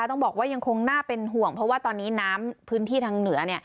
ต้องบอกว่ายังคงน่าเป็นห่วงเพราะว่าตอนนี้น้ำพื้นที่ทางเหนือ